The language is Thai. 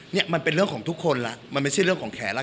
เนี่ยมันเป็นเรื่องของทุกคนแล้วมันไม่ใช่เรื่องของแขนแล้ว